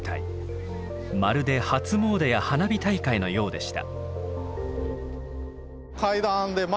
まるで初詣や花火大会のようでした。